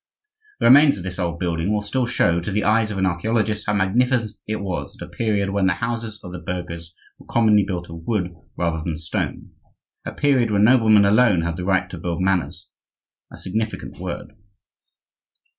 The remains of this old building will still show, to the eyes of an archaeologist, how magnificent it was at a period when the houses of the burghers were commonly built of wood rather than stone, a period when noblemen alone had the right to build manors,—a significant word.